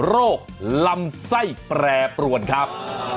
โรคลำไส้แปรปรวนครับ